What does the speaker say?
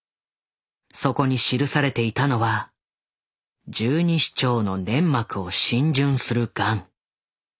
そこに記されていたのは「十二指腸の粘膜を浸潤するガン」。